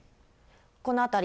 この辺り。